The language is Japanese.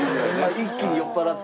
一気に酔っ払って？